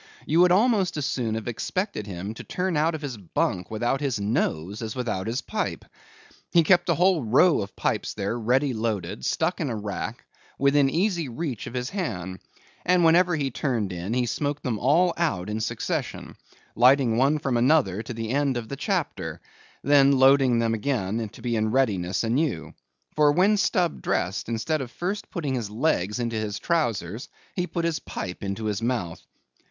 You would almost as soon have expected him to turn out of his bunk without his nose as without his pipe. He kept a whole row of pipes there ready loaded, stuck in a rack, within easy reach of his hand; and, whenever he turned in, he smoked them all out in succession, lighting one from the other to the end of the chapter; then loading them again to be in readiness anew. For, when Stubb dressed, instead of first putting his legs into his trowsers, he put his pipe into his mouth.